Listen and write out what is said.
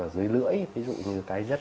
dưới lưỡi ví dụ như cái dứt